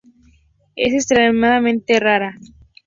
Es extremadamente rara.